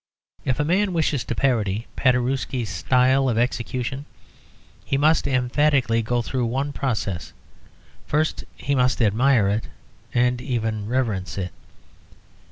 If a man wishes to parody Paderewski's style of execution, he must emphatically go through one process first: he must admire it, and even reverence it.